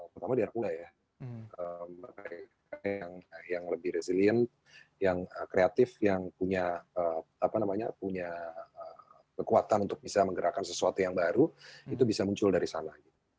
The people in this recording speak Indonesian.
pertama di anak muda ya mereka yang lebih resilient yang kreatif yang punya kekuatan untuk bisa menggerakkan sesuatu yang baru itu bisa muncul dari sana